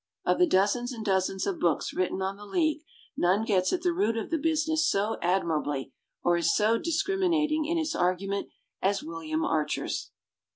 Of the dozens and dozens of books written on the League none gets at the root of the business so admirably or is so discriminating in its argu ment as William Archer's.